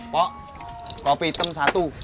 kok kopi hitam satu